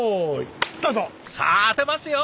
さあ当てますよ！